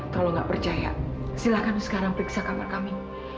kalau gak percaya silakan sekarang periksa kamar kami